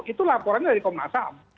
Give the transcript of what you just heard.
itu laporannya dari komnas ham